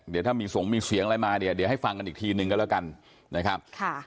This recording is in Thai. เดี๋ยวถ้ามีส่งมีเสียงอะไรมาเนี่ยเดี๋ยวให้ฟังกันอีกทีหนึ่งก็แล้วกันนะครับ